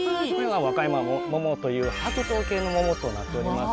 和歌山は白桃系の桃となっております。